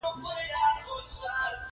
ستا دسبا د انتظار نه وه